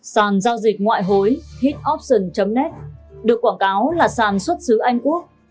sàn giao dịch ngoại hối hitoption net được quảng cáo là sàn xuất xứ anh quốc